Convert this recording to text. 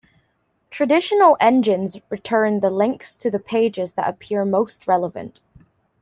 Traditional engines return the links to the pages that appear most relevant.